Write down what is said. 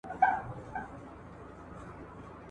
هغه کتاب د څېړنې لپاره بل لوی کتابتون ته ولېږل سو.